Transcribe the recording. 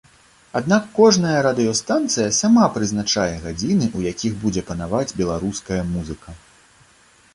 Аднак кожная радыёстанцыя сама прызначае гадзіны, у якіх будзе панаваць беларуская музыка.